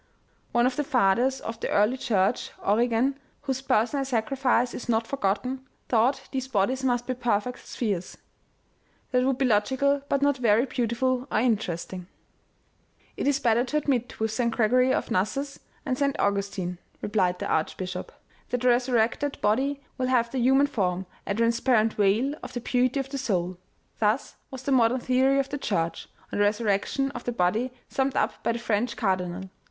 One of the fathers of the early church, Origen, whose personal sacrifice is not forgotten, thought these bodies must be perfect spheres. That would be logical but not very beautiful or interesting." " It is better to admit with St. Gregory of Nyssus and St. Augustin," replied the archbishop, " that the resurrec ted body will have the human form, a transparent veil of the beauty of the soul." Thus was the modern theory of the Church on the resurrection of the body summed up by the French cardinal.